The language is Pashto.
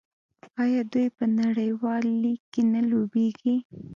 آیا دوی په نړیوال لیګ کې نه لوبېږي؟